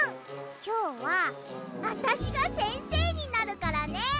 きょうはあたしがせんせいになるからね。